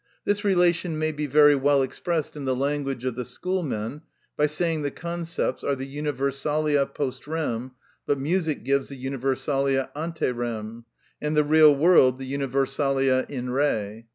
This relation may be very well expressed in the language of the schoolmen by saying the concepts are the universalia post rem, but music gives the universalia ante rem, and the real world the universalia in re.